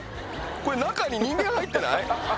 これ中に人間入ってない？